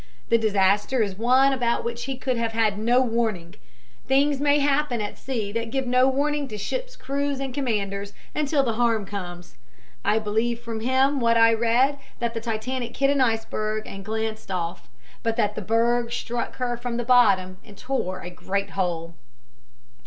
The disaster is one about which he could have had no warning. Things may happen at sea that give no warning to ships' crews and commanders until the harm comes. I believe from what I read that the Titanic hit an iceberg and glanced off, but that the berg struck her from the bottom and tore a great hole."